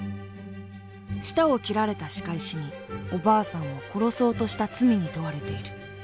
舌を切られた仕返しにおばあさんを殺そうとした罪に問われている。